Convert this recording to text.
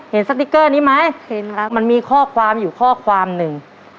สติ๊กเกอร์นี้ไหมเห็นครับมันมีข้อความอยู่ข้อความหนึ่ง